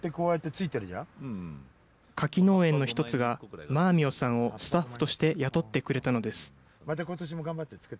柿農園の１つがマーミヨさんをスタッフとして雇ってくれたのです。